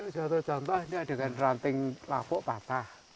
jatuh contohnya ini ada kan ranting lapuk patah